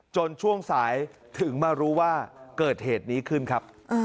ช่วงสายถึงมารู้ว่าเกิดเหตุนี้ขึ้นครับ